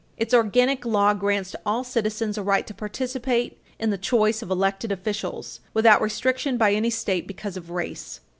Its organic law grants to all citizens a right to participate in the choice of elected officials without restriction by any state because of race.